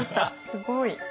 すごい。